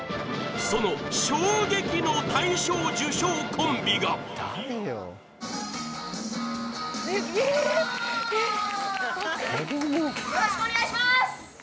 その衝撃の大賞受賞コンビがどうもよろしくお願いします